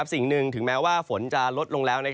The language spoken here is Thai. สิ่งหนึ่งถึงแม้ว่าฝนจะลดลงแล้ว